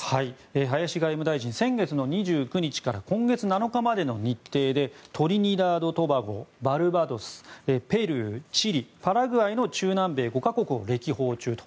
林外務大臣先月の２９日から今月７日までの日程でトリニダード・トバゴバルバドス、ペルー、チリパラグアイの中南米５か国を歴訪中と。